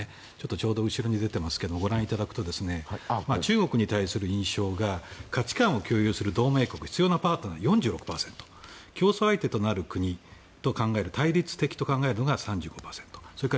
ちょうど後ろに出ていますが中国に対する印象が価値観を共有する同盟国必要なパートナー、４６％競争相手となる国と考える対立的と考えるのが３５％。